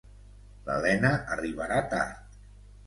L'Elena arribarà tard.